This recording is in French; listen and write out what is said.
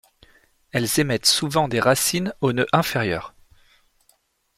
Elles émettent souvent des racines aux nœuds inférieurs.